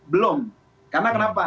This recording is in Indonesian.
belum karena kenapa